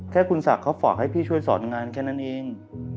แค่คุณศักดิ์เขาฝากให้พี่ช่วยสอนงานแค่นั้นเอง